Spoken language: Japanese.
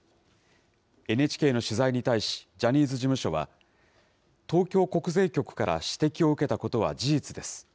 ＮＨＫの取材に対し、ジャニーズ事務所は、東京国税局から指摘を受けたことは事実です。